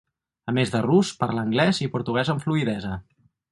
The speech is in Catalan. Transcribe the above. A més de rus, parla anglès i portuguès amb fluïdesa.